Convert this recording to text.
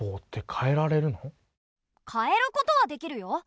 変えることはできるよ。